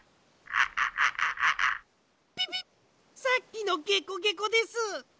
さっきのゲコゲコです！